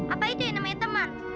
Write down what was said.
apa itu yang namanya teman